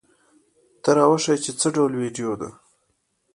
ته را وښیه چې څه ډول ویډیو ده؟